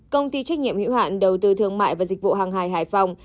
công ty trách nhiệm hữu hạn đầu tư thương mại và dịch vụ hàng hải hải phòng